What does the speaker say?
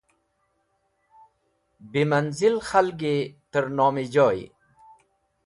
Bi mẽnzil khalgi tẽrnomẽjy